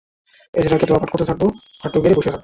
এজরাকে দোয়া পাঠ করাতে থাকবো, হাঁটু গেড়ে বসিয়ে রাখবো।